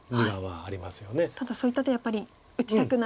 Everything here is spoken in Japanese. ただそういった手やっぱり打ちたくない。